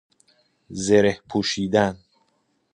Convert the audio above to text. زره پوشیدن